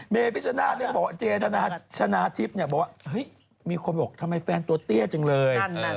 เมย์พิชชนาธบอกเจชนะธิปนี่บอกว่าเฮ้ยมีคนบอกทำไมแฟนตัวเตี้ยจังเลย